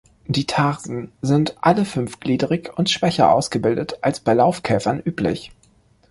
Die Tarsen sind alle fünfgliedrig und schwächer ausgebildet als bei Laufkäfern üblich.